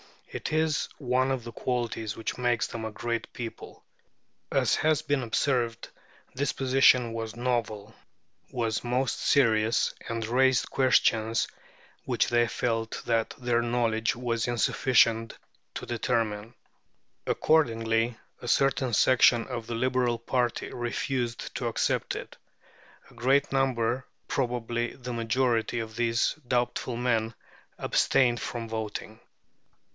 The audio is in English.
It is one of the qualities which make them a great people. As has been observed, this proposition was novel, was most serious, and raised questions which they felt that their knowledge was insufficient to determine. Accordingly, a certain section of the Liberal party refused to accept it. A great number, probably the majority, of these doubtful men abstained from voting.